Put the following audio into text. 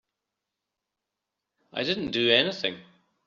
I didn't do anything.